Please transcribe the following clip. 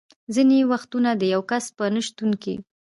ځینې وختونه د یو کس په نه شتون کې.